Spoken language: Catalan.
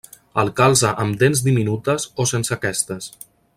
El calze amb dents diminutes o sense aquestes.